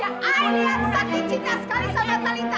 aku lihat saki cinta sekali sama talitha